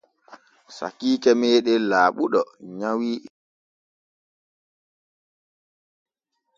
Sakiike meeɗen Laaɓuɗo nyawi illa keenya.